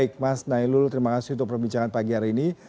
baik mas nailul terima kasih untuk perbincangan pagi hari ini